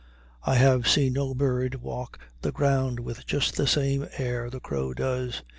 I have seen no bird walk the ground with just the same air the crow does.